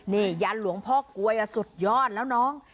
นี่ยันหลวงพ่อกลวยสุดยอดแล้วน้อง